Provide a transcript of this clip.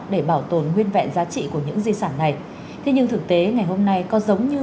để bảo tồn nguyên vẹn giá trị của những di sản này thế nhưng thực tế ngày hôm nay có giống như